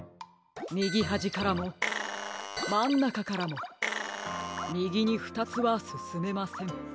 みぎはじからもまんなかからもみぎにふたつはすすめません。